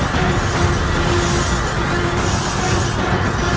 jangan sampai kau menyesal sudah menentangku